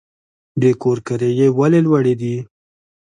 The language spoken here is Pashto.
د کور کرایې ولې لوړې دي؟